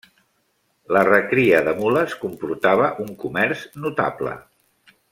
La recria de mules comportava un comerç notable.